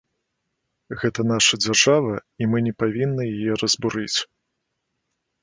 Гэта наша дзяржава, і мы не павінны яе разбурыць.